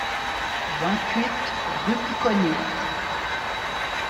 vingt-huit rue Piconnières